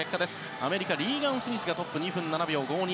アメリカ、リーガン・スミスがトップ、２分７秒５２。